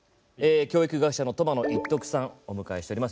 教育学者の苫野一徳さんお迎えしております。